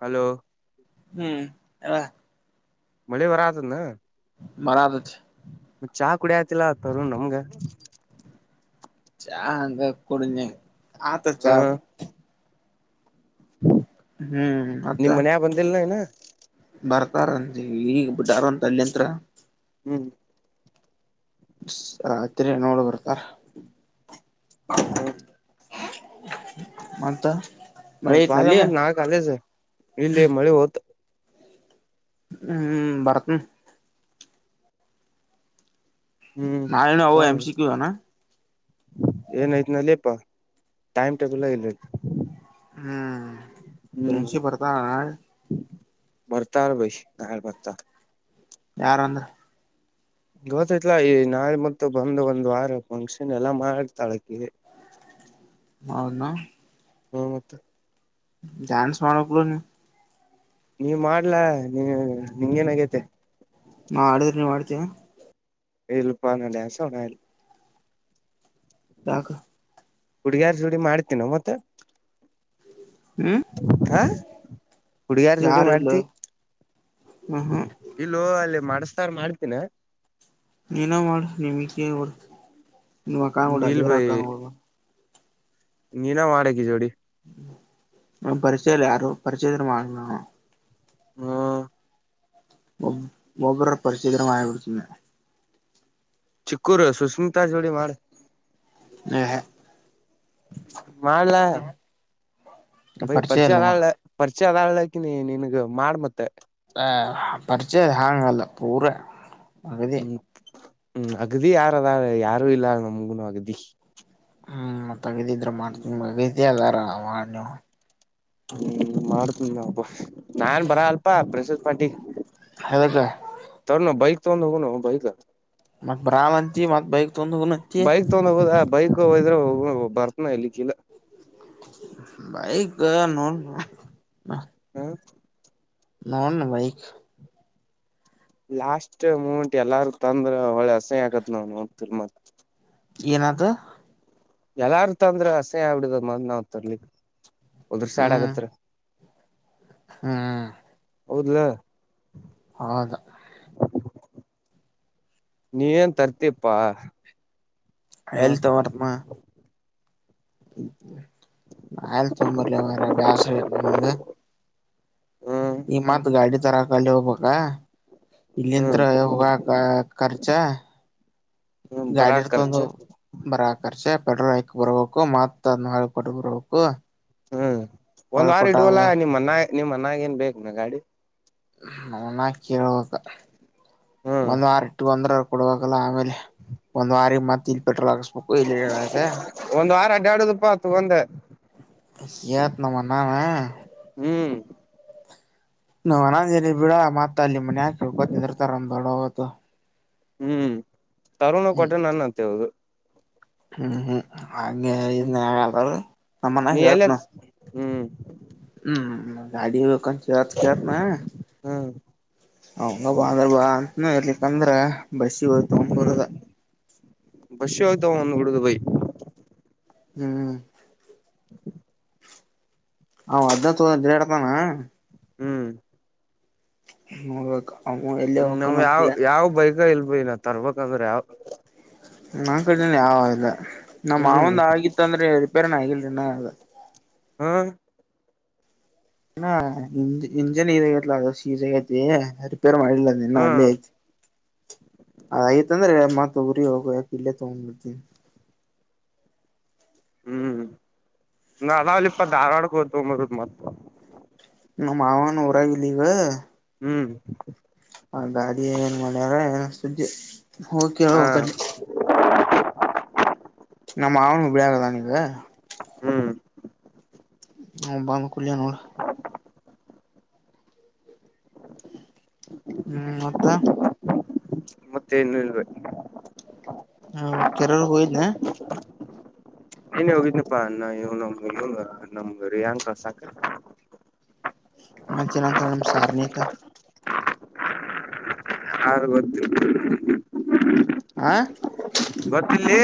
hello ಹ್ಮ್ ಅ ಮಳೆ ವರ ಆದತದನ ಮರದಚ್ ಕುಡ ಹತಿಲ್ಲತರ ನಮ್ಂಗ ಚಾ ಅಂತ ಕುಡಿಜ ಆತ ಚಾ ಹ ಹ್ಮ್ ಅತ್ತ ನಿಮ್ ಮನ್ಯ ಬಂದಿಲ್ಲ ಇನ ಬರ್ತಾರ ಈಗ ಬಿಟ್ಟಾರ ಅಂತ ಹಲ್ಲಿಂತ್ರ ಹ್ಮ್ ತಿರಿ ನೋಡು ಬರ್ತಾರ ಹ್ಮ್ ಮತ್ತ ಮಳೆ ಮತ್ತ ಬಾಲ ಐತ್ನಲ್ಲಿ ಮತ್ ನಾಕಾಲಜ ಇಲ್ಲಿ ಮಳಿ ಹೊತ್ ಹ್ಮ್ ಹ್ಮ್ ಬರ್ತ್ನ ಹ್ಮ್ ನಾಳೇನು ಅವ ಎಂ್ ಸಿಕ್ಕುದನಾ ಏನಐತ್ನಲ್ಲಿಪ್ಪಾ ಟೈಮ್ ಟೇಬಲ್ ಆಗ ಇರ್ ಹ್ಮ್ ತನ್ಸಿ ಬರ್ತಾ ಬರ್ತಾರ ಬೈ ನ ಬರ್ತಾ ಯಾರು ಒಂದ ಗೊತ್ತೈತ್ಲಾ ಈ ನಾಳೆ ಮ ಬಂದು್ ಒಂದ್ ವಾರ ಫಂಕ್ಷನ್ ಎಲ್ಲಾ ಮಾಡತಾಳಕಿ ಹೌದ ಹಾ ಮತ್ತೆ ಡ್ಯಾನ್ಸ್ ಮಾಡಕ್ಲ ನೀ ನೀವ ಮಾಡ್ಲ ನೀ ನಿಂಗೇನಾಗೈತೆ ನಾ ಆಡಿದ್ರೆ ನೀವ್ ಆಡ್ತೀಯ ಎಲ್ಲಿಪಾನಡಸ ಹನಲ್ಲಿ ತಾಗ ಹುಡ್ಗಾರ್ ಸುಡಿ ಮಾಡ್ತೀ ನ ಮತ್ತೆ ಹ್ಮ ಹುಡ್ಗಿಯಾರ್ ಜುಡಿ ಮಾಡ್ತಿ ಹ್ಮ್ ಹ್ಮ್ ಇಲ್ಲ ಅಲ್ಲಿ ಮಾಡ ಾರ್ ಮಾಡ್ತೀಿನ ನೀನ ಮಾಡಿ ನಿಮ ನಿ ಅಕ್ಕಾಡ ಇಲ್ ಅಲ್ಲಿವರ ಬೈ ಅಕ್ಕಡ ನೀನ ಮಾಡಗ ಜೋಡಿ ಹ ಪರಿಚಯಲ್ಲ ಯಾರು ಪರಿಚಯದಲ್ಲಿರ ಮಾಡ ಹ್ಮ ಮೊಬ್ ಮೊಬಬರ ಪರಿಶೀ್ಧರ ಆ ಬಿರುತಂದ ಚಿಕ್ಕೂರು ಸುಸ್್ಮಿತಾ ಜೋಡಿಿ ಮಾಡ ಯ ಮಾಡನ್ಲ ಬೈ ಪರಿಚಯ ಇಲ್ಲ ನಮಗ ಪರ್ಚೆಲ್ಲ ಪ ಇ ಅದಲಕ ನೀ ನನ್ಗ ಮಾಡ್ ಮತ್ತೆ ಪರಿಚಯ ಹಾಂಗಲ್ಲ ಪೂರ ಅಗದಿ ಹ್ಮ್ ಹ್ಮ್ ಅಗ್ದಿ ಯಾರ ಅದ ಯಾರು ಇಲ್ಲ ನಮಗುನು ಅಗ್ದಿ ತಗದಿದ್ರ ಮಾಡ್ತನ ಮಗಿದ ಅಲ್ಲಾರ ಅವ ನೀವು ಹ್ಮ್ ಮಾಡ್ತೀನಿ ನಬ ನಾನ್ ಬರ ಅಲ್ಪ ಬಸತ್ ಪಾಟಿ ಹಕ್ಕ ಇೊ ಹೋಗೋಣ ಬಹಾ ಮಕ್ ಬ್ರಲ್ಂಂತಿ ಮ ಬೈಕ್ ತೊಂದು ಕೊನಂತಿ ಬೈಕ್ ತಗೊಂಡ್ ಹೋಗೋದ ಬೈಕ್ ಹೋದ್ರೆೋಗ ಬರ್ತನ ಇಲ್ಲಿಕ್ಕಿಲ್ಲ ಭೈ ಗ ನೋ ಹ್ಮ ನಾ ಭೈಕ್ ಲಾಸ್ಟ್ ಮೂಮೆಂಟ್ ಎಲ್ಲಾರು ತಂದ್ರ ಹೊಳೆ ಹಸಹ ಆಕತ್ ನಾವ್ ನೋಡ್ತಿರ್ ಮತ್ ಏನಾದ ಎಲ್ಲಾರ್ ತಂದ್ರ ಹಸೆ ಬಿಡಿದ ಮ್ ನಾವ ತರ್ಲಿ ಉದ್ರ ಸ್ಯಾಡ್ ಆಗತ್ರ ಹ್ಮ ಹೌದಲ ಹೌದಾ ನೀ ನ್ ತರ್ತೀಪ್ಪಾ ಹಳ್ತ ವರ್ತಮ್ಮ ಆಯರತ್ೊಂಬತ್ಲ ವರ ಬಸರ ನಿ ಹ್ಮ್ ಈ ಮತ್ ಗಾಡಿ ತರಕಲ್ಲಿ ಹೋಗ್ಬೇಕ ಇಲ್ಲಿಂತ್ ಹ್ಮ್ ಹೋಗಾಕ ಖರ್ಚಾ ಹ್ಮ್ ಬರಾ ಗಾಡಿರ್ ತ ಒಂದು ಖರ್ಚು ಬರ ಖರ್ಚ ಪೆಟ್ರೋಲ್ ಹೈಕ್ ಬರ್ಬೇಕು ಮತ್ ಅದ್ ನಾಲ್ ಕೋಟ ಬರ್ಬೇಕು ಹ್ಮ್ ಒಂದ್ ಹೊಳ್ ವಾರ ಕೊಟ್ಟ ಇಡ್ುವಲ್ಲ ನಿಮ್ಮ ಅನ್ನ ನಿಮ್ಮ ಅನ್ನಾಗ ಏನ್ ಬೇಕ ನ ಗಾಡಿ ನನ್ನ ಕೇೇಳಬೇಕ ಹ್ಮ್ ಒಂದ್ ವಾರ ಇಟ್ಟಗ ಒಂದ್ರ ಕೊಡಬೇಕ ಆಲ್ಲ ಆಮೇಲೆ ಒಂದ್ ವಾರ ಮತ್ ಇ ಪಟ್ರ ಆಕಸ್ಮಕ್ಕ ಒಂದ್ ವಾರ ಅಡ್ಡಾಡುದಪ್ಪಾ ತಗೊಂಡ ಇ ತ್ನಮ್ಮ ನಾಮ ಹ್ಮ್ ನಾ್ ನಂದನ ಬಿಡ ಮತ್ತ ಅಲ್ಲಿ ಮನೆ ಹಾಕಿಕೊಿರ್ತಾರಮ್ ದೊಡ್ಡ ಹು ಹ್ಮ್ ತರುಣ ಕೊಟ್ಟೆ ನನ್ ಅತ್ತೇವದು ಹ್ಮ ಹ ಹಗೆ ಹ್ಮ್ ಇದನ್ರು ನಮ್ಮನ ನೀ ಎಲ್ಲ ಹೇಳತ್ನು ಹ್ಮ್ ಹ್ಮ್ ಗಾಡಿಿಯಕ ಚತಕ್ಕೆತನ ಹ್ಮ್ ಹಂಗ ಬಾಾದ್ರಬಾದ ಇ ಇರ್ಲಿಕ್ಕಂದ್ರ ಬಸಿ ಹ್ ಹ್ಮ್ ತಂಬರದ ಬಸ್ಸಿ ಹೋಗ್ತಾವ ಒಂದ್ ಬೈ ಹ್ಮ್ ಹ ಅಾ ತೋಡ ತಾನ ಹ್ಮ್ ಹ ಹ್ಮ ನಾವ್ ಯಾವ್ ಯಾವ್ ಬೈಕ ಇಲ್ಬ ನ ತರ್ಬೇಕಂದ್ರ ಯಾವ ನನ್ ಕಡನ ಯಾವ ಇಲ್ಲ ನಮ್ ಹ್ಮ್ ಮಾವಂದ ಆಗಿತ್ತ ಅಂದ್ರೆ ರಿಪೇರ್ನ್ ಆಗಿಲ್ರಿನಾಗ ಹ್ಮ ನಾ ಇಜ ಇಂಜನ್ ಇಜಲ ಅದ ಶ ಇಜ ಅ ೇ ಮಾಡಿಲ್ಲ ನಿನ್ನ ಅಲ್ಲ ಹ್ಮ್ ಅ ಆಯ್ತಂದ್ರೆ ಮ ತಗರಿ ಹೋಗಯಾ ಪ ಇಲ್ಲ ತೊಂಡ್ದ ಹ್ಮ್ ನಳಾವಲಿ ಇಪ್ಪ ಧಾರವಾಡಕ್ಕೆ ಹೋ್ಂಬದ ಮತ್ ನಮ್ಮ ಮಾವಾನ ಉರಾವಲ್ಲಿೀಗ ಹ್ಮ್ ಆ ಗಾಡಿ ಏನು ಮಾಡ್ಯಾರ ಏ ಸ್ದ ಹೋಗಕಿ ಹಾ ಹೋಗಕ ನಮ್ಮ್ ಮಾವನಿಗೆ ಬಿಳಿಗದಾನೀಗ ಹ್ಮ್ ಹ ಬ ಕಲ್ಯಾಣೋಳ ಹ್ಮ್ ಮತ್ತ ಮತ್ತೆ ನ್ನು ಇಲ್ಬೇಕ ಹಾ ಕೆರಳ ಹಯ ನೀನೇ ಹೋಗಿದನಪ್ಪಾ ನ ನಮ್ ರಿಯಾಂಕ ಸಾಕ ಮತ್ತ ನಂತರ ನಮ ಸಾರ್ಣಿತ ಹಾ ಗ ಆ ಗೊತ್ತಲ್ಲಿ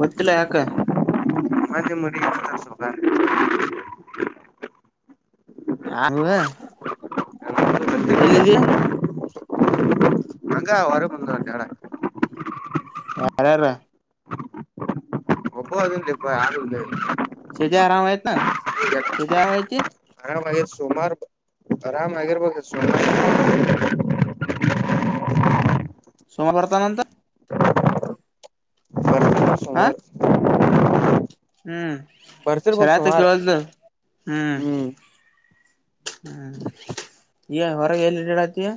ಗೊತ್ತಿಲ್ಲ ಯಾಕ ಮಂದೆ ಮುಡಿ ಮಾ ಸಲ್ ಹ ಎಲ್ಲಿದೀ ಮಂಗ ವರ ಬಂಗಡ ಯಾರ ಯಾರ ಒಬ ಅದುಲ್ಲ ಇ ಯಾರು ಇಲ್ಲ ಕೆತೆ ಆರಾಮಯ ನ ಆರಾಮ ಆ ಸೋಮಾರ ಆರಾಮ ಆಗಿರ್ಬೇಕ ಸೋಮ [unintelligible] ಸೋಮವಾರತ ನಂತ ಹ ಸಮಾರ ಹ್ಮ್ ಬರ್ತಿರ್ಬೇಕ್ ಶರಾತ ಸುಮಾರು ಕೇಳಲ್ದು ಹ್ಮ್ ಹ್ಮ್ ಈ ಹೊರಗೆ ಎಲ್ಲಿಡಡತಿಯ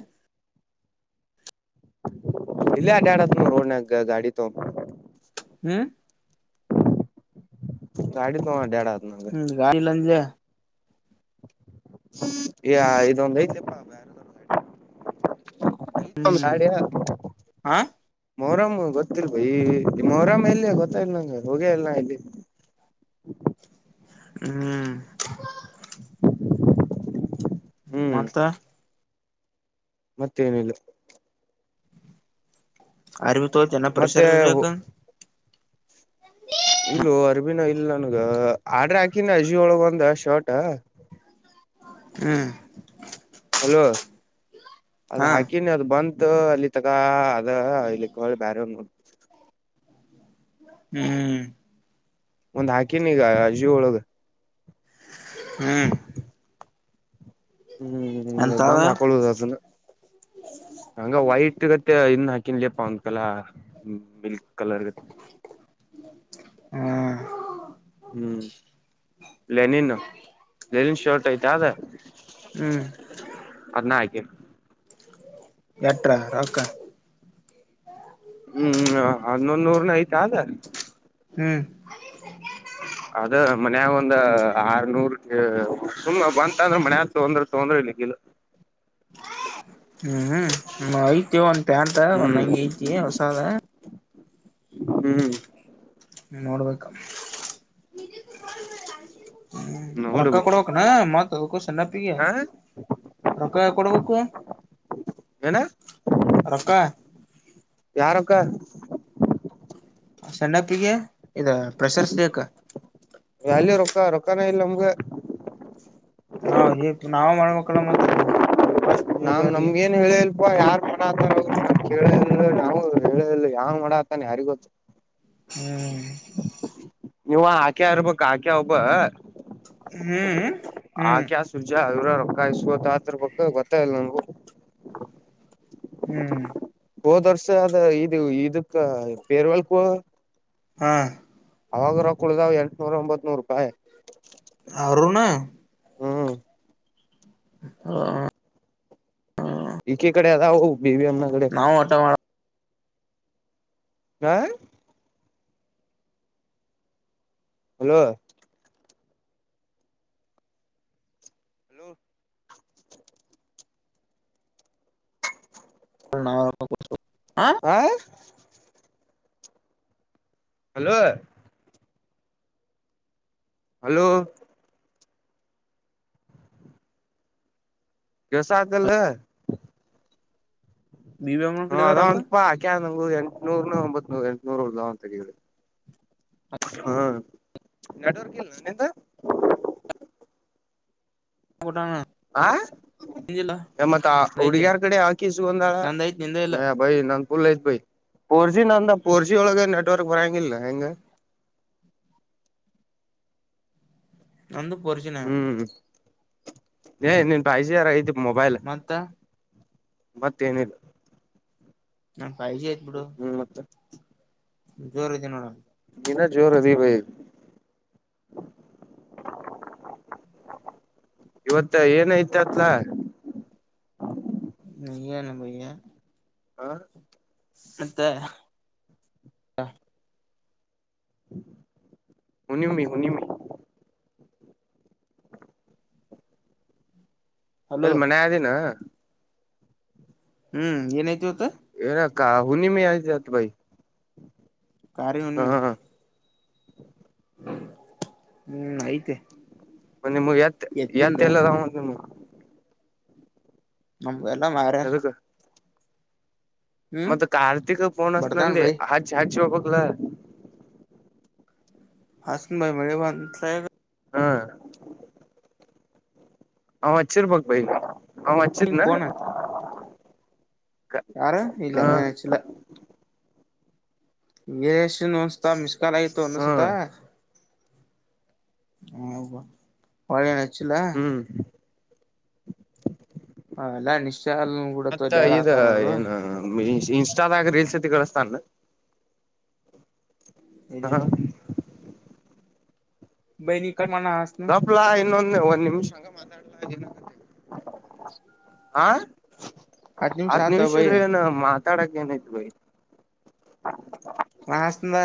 ಇಲ್ಲಿ ಅಡಿ ಅಡ ಹೋಣ ಗಾಡಿ ತ ಹ್ಮ ಗಾಡಿ ತ ಡ ಹ್ಮ ಗಾಲ್ಲಂಜೆ ಇದೊಂದ ಐದಪ್ಪಾ ಹ್ಮ್ ಸ ಹ ಮೊರಾಮ್ ಗೊತ್ತಿಲ್ ಬಯ ಮೊರಾಮ್ ಇಲ್ಲಿಯ ಗೊತ್ತಾ ಇಲ್ ನಂ ಹೋಗೇ ಅಲ್ ನ ಇಲ್ಲಿ ಹ್ಮ್ ಹ್ಮ್ ಮತ ಮತ್ತೇನಿಲ್ಲ ಅರಬ ತನ್ನ ಮತ್ತೆ ಪ್ರೆಸರ್ ಇಲ್ಲ ಅರ್ಬಿನ ಇ ಇ ನನ್ಗ ಆಡ್ರ ಹಾಕಿನ ಅಜಿ ಒಳಗ ಒಂದ ಶರ್ಟ್ ಹ್ಮ್ ಅಲೋ ಅದ್ ಹಾ ಹಾಕಿನಿ ಅದು ಬಂತ ಅಲ್ಲಿ ತಗ ಅದ ಇಲ್ಲಿ ಕೋಳಿ ಬ್ಯಾರ ನೋ ಹ್ಮ್ ಒಂದ್ ಹಾಕಿನ ಈಗ ಜೀ ಒಳಗ ಹ್ಮ್ ಹ್ಮ್್ಮ ಎಂತಾವ ಬಂದ್ ಹಾಕಳುದು ಅದನ್ನ ಹಂಗ ವೈಟ್ ಗತ್ತ ಇನ್ನು ಹಕನ್ ಪೌನ್ ಕಲ ಮಲ್ಕ ಕಲರ್ ಹಾ ಹ್ಮ್ ಲಲೆನಿನ್ ಲಲೆನಿನ್ ಶರ್ಟ್ ಐತಾದ ಹ್ಮ್ ಅರ್ನ್ನ ಆೆ ಎಟಕ್ಕಾ ಹ್ಮ್ ಹನ್ನೊಂದ ನೂರ್ನ ಐ್ತ ಆದ ಹ್ಮ್ ಅದ ಮನ್ಯಾಗ ಒಂದ ಆರ್ನೂರ್ ಸುಮ ಬಂತ ಅಂದ್ರ ಮನ್ಯ ತೊಂದ್ರ ತೊಂದ್ರೆ ಅ ಹ ಹ್ಮ್ ಐತಿ ಒಂದ್ ಪ್ಯಾಂಟ ಒಂದ್ ಹ್ಮ್ ಹಂಗ ಐತಿ ಹೊಸಾದ ಹ್ಮ್ ನೀ ನೋಡ್ಬೇಕ ಹ್ಮ್ ನೋಡು ರೊಕ್ಕ ಬಿ ಕೊಡಬೇಕಕ್ನ ಮತ್ಕ್ಕ ಸೆ್ಣಪ್ಪಿಗೆ ಹ ರೊಕ್ಕ ಕೂಡ ಬಕ್ಕು ಏನ ಯಾರಕ್ಕಾ ಸಣ್ಣಪ್ಪಿಗೆ ಇದ ಪ್ರೆಸರ್ಸ್ೇಕ ಎಲ್ಲಿ ರೊಕ್ಕ ರೊಕ್ಕನ ಇಲ್ಲ ನಮಗೆ ನಾವ ನಾವ ಮಾಡ್ಬೇಕಲ್ಲ ಮತ್ತ ಸ್ಟ್ವಗೆ ಅಪ್ಪ ಯಾರ್ು ಮಾಡತರು ಕೇಳ ನಾವು ಹೇಳಿಲ್ಲ ಯಾವಂಗ್ ಮಾಡತಾನ ಯಾರಿ ಗೊತ್ತು ಹ್ಮ್ ನೀವ ಆಕೆ ಇರ್ಬಕ್ ಆಕೆ ಒಬ್ಬ ಹ್ಮ್ ಹ ಹ್ಮ್ ಕ ಸುರ್ಜಾ ಅರ ಕಾಯತ್ ಆತ ಬಕ್ ಗೊತ್ತ ಇಲ್ಲ ನಂಗು ಹ್ಮ್ ಹೋದ್ ವರ್ಷ ಅದ ಇ ಇದಕ್ಕ ಪೇರ್ವಾಲ್ಕ ಹಾ ಅವಾಗ ಕುಳ್ದಾವ್ ಎಂಟ್ನೂರ ಒಂಬತ್ ನೂರು ರೂಪಾಯಿ ಅವ್ರೂನು ಹ್ಮ್ ಹ ದ ಹ ಬಿ ಬಿ ಎಮ ಕಡೆ ನಾವು ಆಟ ಮಾಡ ಹ ಹಲೋ ಹಲೋ ನಾನ ರಕ ಆ ಹಲೋ ಹಲೋ ಕೆಲಸ ಆತಲ್ಲ ಬಿ ಬಿ ಅಮ್ಮನ ಹ ಕಡೆದವ ಅದ ರೊಕ್ಕ ಒಂದಪಾಕ್ಯಾ ನಂಗು ಎಂಟನೂರ್ ಒಂಬತ್ೂ ಎಂಟನೂರ್ ಉದ ಅಂತಿ ಹಾ ನಡವರ್ಗಲ್ಲಂತ ಕೊಟ್ಟ ಆ ಮತ್ ಐತೆ ಹುಡ್ಗ್ಯಾರ್ ಕಡೆ ಹಾಕೀಸಗಂದಾಳ ನಂದ ಐತ್ ನಿಂದ ಇಲ್ಲ ಬೈ ನ ಲ್ಲತ್ ಬೈ ಫೋರ್ಜಿ ನಂದ ಪೋರ್ಜಿ ಒಳಗ ನೆಟ್ವರ್ಕ್ ಬರಂಗಿಲ್ಲ ಹೆಂಗ [inaudible] ನಂದು ಪೋರಜೀ ಹ್ಮ್ ಏ ನಿನ್ ಪಾಯಸಿ ಯಾರ ಇದ ಮಂತ ಮತ್ತೇನಿಲ್ಲ ನಾ ಪಾಯಜಿ ಆಯತ್ ಬಿಡುು ಜೋರ ಇದಐದೆ ನೋಡ ಇನ್ನ ಜೋರ್ ಅದೀ ಬ ಇವತ್ತ ಏನ ಐತತ್ಲ ನೀಯನು ಭೈಯ ಹಾ ಮತ್ತ ಹ ಹುಣ್ಣಿಮೆ ಹುಣ್ಣಿಮೆ ಹಲೋ ಅಲ್ಲಿ ಮನೆ ಆದಿನ ಹ್ಮ್ ಏನಐತಿವತ್ತ ಏನ ಕ ಹುನಿ ಮೆ [inaudible] ಮ ಆತ ಭೈ ಕಾರಾರಿಯ ಉನ್ಮೆ ಹ್ಮ ಹ್ಮ್ ಐತೆ ಮೆ ನಿಮಗತ್ ಎತ್ತ ಎತ್ತಿಂದ ಎಲ್ಲ ನಮ್ಮ ಎಲ್ಲ ಮಾಡರೆ ಅದಕ್ ಮತ್ತ ಕಾರಾರ್ತಿಕಫೋನ್ ಅತ ಬಡತಾನ್ ಅಂದೆ ಬೈ ಹ ಚಾರ್ ಶಿ ಬೋಗಲ ಹಾಸನ ಭೈ ಮಳ ಬಂಲ ಹಾ ಅವ್ ಹಚ್ಚಿರ್ಬಕ್ ಬೈ ಅವ ಹಚ್ಚಿದ್ನ ಹ ಯಾರು ಇಲ್ಲ ಹ ಅಚಿಲ್ಲ ರಷನ್ ಒಂದಸ್ತಾ ಮಿಸ್ ಕಾಲ್ ಆಯತತ್ತು ಅಂದಸತಾ ಹ ಪ ಹ್ಮ್ ಅವೆಲ್ಲಾ ನಿಶ್ಚಲ್ ಬಿಡತ್ತ ಮತ್ತ ಡ್ಯಾಡ ಇದ ಆತಾರ ಅವರು ಏನು ಮ ಇನ್ಸ್ಟಾದಾಗ ರೀಲ್ಸ್ ತಿ ಕೇಳಿಸ್ತಾನ ಹ್ಮ ಇಲ್ಲಿಲ್ಲ ಬನ [inaudible] ರಪ್ಲಾ ಇನ್ನೊಂದು ಒಂದ್ ನಿಮಿಷ ಹಂಗ ಮಾತಾಡ್ಲಾ ದಿನ ಹ ಹತ್ತು ಹದ್ ಆತ ನಿಮಿಷ ಬೈ ಇದ್ರೆ ಏನು ಮಾತ್ ತಡಕ್ಕೆ ಏನಾಯ್ತ ಭಯ ನಾ ಹಾಸದ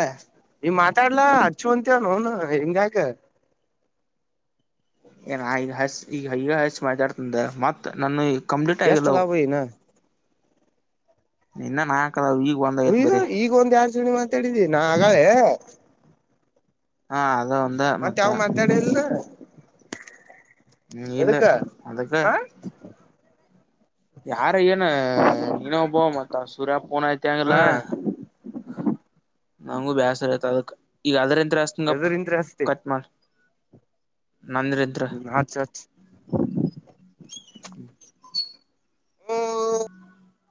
ನೀವ್ ಮಾತಾಡ್ಲಾ ಹಚ್ಚ ಅಂತವ ನೋನ್ ಹೆಂಗ ಆಕ ಏನ ಆಗ ಈಗ ಅಯ್ಯ ಹಸ ಮಾತಾಡ್ತಂದ ಮತ್ತತ್ ನಾನು ಈಗ ಕಂಪ್ಲೀಟ್ ಆಗಿಲ್ಲವು ಎಷ್ಟದಾವ ನಾ ಇನ್ನ ನಾಕದಾವ ಈಗ ಒಂದ್ ಐತ್ ಈಗ ಬರೀ ಈಗ ಒಂದ್ ಯಡ್ ಜನಿ ಮಾತಾಡಿದೀ ನಾ ಆಗಳೆ ಹಾ ಅದ ಒಂದ ಮತ್ತೆ ಮತ್ತ ಯಾವ ಮಾತಾಡಿಲ್ಲ ಇಲ್ಲ ಎದಕ್ಕ ಅದಕ್ಕ ಹ ಯಾರ ಏನು ನೀನ ಒಬ್ಬೋ ಮತ್ ಸುರ್ಯ ಪೋನ್ ಯತಿ ಹಾ ಅಂಗಿಲ್ಲ ನಂಗೂ ಬೇಸರತ ಅದ ಈಗ ಅದ್ರ ಎಂಸ್ಂಗ ಎದರಿಂತ್ರ ಹಸ್ತಿ ಕತ್ಲ್ ಹ್ಮ್ ಅ ಅ ಹ್ಮ ಹಚ್ ಹ್ಮ್